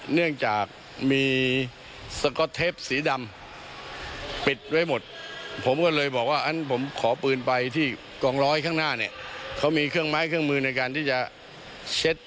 เนื่องจากมีสก็อตเทปสีดำปิดไว้หมด